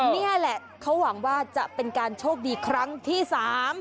นี่แหละเขาหวังว่าจะเป็นการโชคดีครั้งที่๓